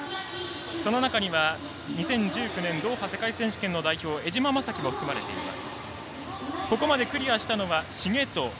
その中には２０１９年ドーハ世界選手権の代表代表、江島雅紀も含まれています。